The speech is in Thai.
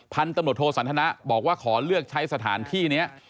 พันธุ์ตำรวจโทสันทนะบอกว่าขอเลือกใช้สถานที่นี้